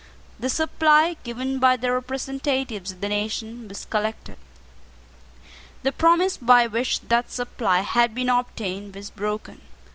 The supply given by the representatives of the nation was collected. The promise by which that supply had been obtained was broken.